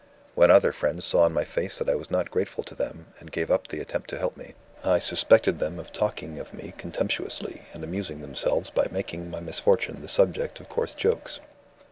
When other friends saw in my face that I was not grateful to them, and gave up the attempt to help me, I suspected them of talking of me contemptuously, and amusing themselves by making my misfortune the subject of coarse jokes.